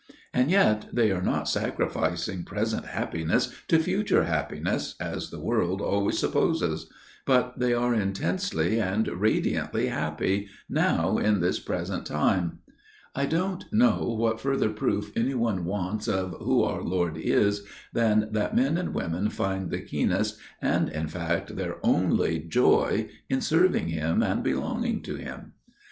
And yet they are not sacrificing present happiness to future happiness, as the world always supposes, but they are intensely and radiantly happy 'now in this present time.' I don't know what further proof any one wants of Who our Lord is than that men and women find the keenest, and in fact their only joy, in serving Him and belonging to Him.